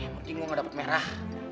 mending gue gak dapet merah